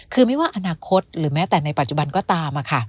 คือไม่ว่าอนาคตหรือแม้แต่ในปัจจุบันก็ตาม